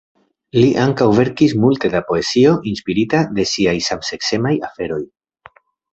Li ankaŭ verkis multe da poezio inspirita de siaj samseksemaj aferoj.